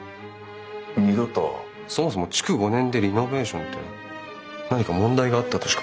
そもそも築５年でリノベーションって何か問題があったとしか考えられない。